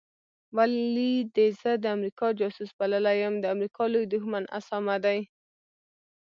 ولي دي زه د امریکا جاسوس بللی یم د امریکا لوی دښمن اسامه دی